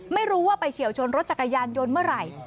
ไม่รู้ว่าไปเฉียวชนรถจักรยานยนต์เมื่อไหร่